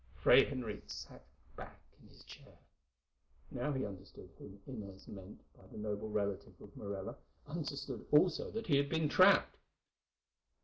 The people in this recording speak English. Fray Henriques sank back in his chair. Now he understood whom Inez meant by the noble relative of Morella, understood also that he had been trapped.